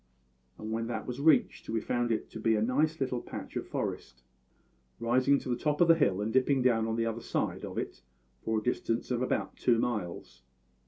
And when that was reached we found it to be a nice little patch of forest, rising to the top of the hill and dipping down on the other side of it for a distance of about two miles.